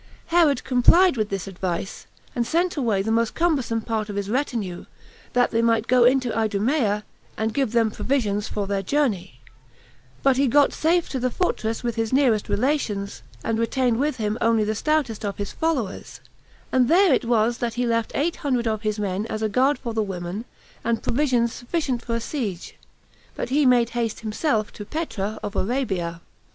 Herod complied with this advice, and sent away the most cumbersome part of his retinue, that they might go into Idumea, and gave them provisions for their journey; but he got safe to the fortress with his nearest relations, and retained with him only the stoutest of his followers; and there it was that he left eight hundred of his men as a guard for the women, and provisions sufficient for a siege; but he made haste himself to Petra of Arabia.